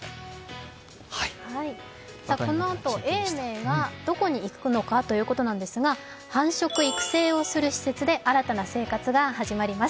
このあと永明がどこに行くのかということなんですが、繁殖・育成をする施設で新たな生活が始まります。